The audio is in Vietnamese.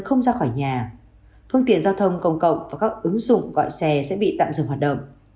không ra khỏi nhà phương tiện giao thông công cộng và các ứng dụng gọi xe sẽ bị tạm dừng hoạt động